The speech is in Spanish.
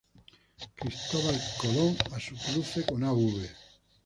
Cristóbal Colón" a su cruce con "Av.